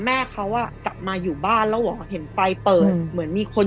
แม่เขาอ่ะกลับมาอยู่บ้านแล้วเหรอเห็นไฟเปิดเหมือนมีคน